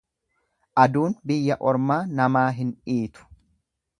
Aduun biyya ormaa namaa hin dhiitu.